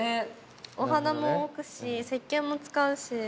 お花も置くし石けんも使うし。